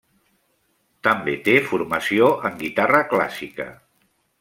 També té formació en guitarra clàssica.